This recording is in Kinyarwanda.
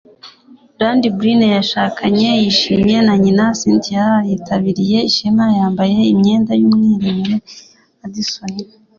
Randy Byrne yashakanye yishimye na nyina Cynthia yitabiriye ishema, yambaye imyenda yumwimerere ya Radisson.